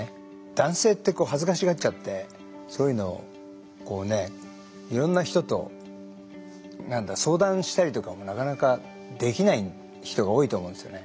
男性って恥ずかしがっちゃってそういうのをこうねいろんな人と相談したりとかもなかなかできない人が多いと思うんですね。